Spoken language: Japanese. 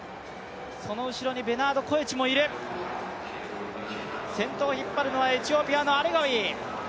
その後ろにベナード・コエチもいる先頭を引っ張るのはエチオピアのアレガウィ。